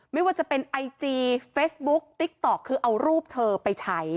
ไม่ว่าจะเป็นไอจีเฟซบุ๊กติ๊กต๊อกคือเอารูปเธอไปใช้